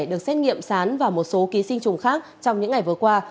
được xét nghiệm sán và một số ký sinh trùng khác trong những ngày vừa qua